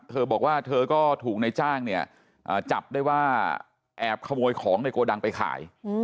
เธอบอกว่าเธอก็ถูกในจ้างเนี่ยจับได้ว่าแอบขโมยของในโกดังไปขาย